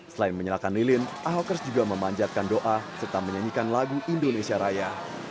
selain menyalakan lilin ahokers juga memanjatkan doa serta menyanyikan lagu indonesia raya